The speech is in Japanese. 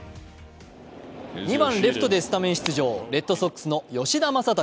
２番レフトでスタメン出場レッドソックスの吉田正尚。